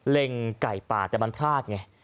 เล็งไก่ป่าแต่มันพลาดไง